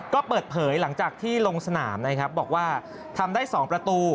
ก็เปิดเผยหลังจากที่ลงสนามนะครับบอกว่าทำได้๒ประตู